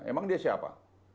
emang dia siapa